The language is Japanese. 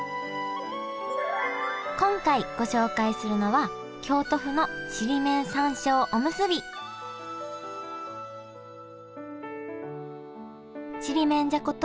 今回ご紹介するのはちりめんじゃこと